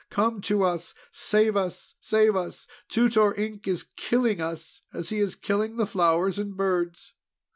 Come to us! Save us! Save us! Tutor Ink is killing us, as he is killing the flowers and birds!"